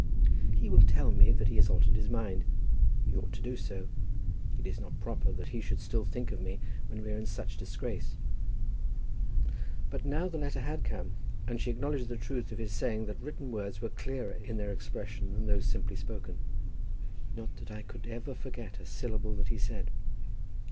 "He will tell me that he has altered his mind. He ought to do so. It is not proper that he should still think of me when we are in such disgrace." But now the letter had come, and she acknowledged the truth of his saying that written words were clearer in their expression than those simply spoken. "Not that I could ever forget a syllable that he said."